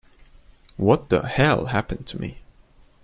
What the Hell Happened to Me?